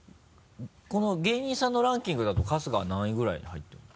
この芸人さんのランキングだと春日は何位ぐらいに入ってるの？